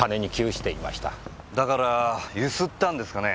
だから強請ったんですかね？